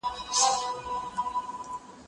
زه سیر کړی دی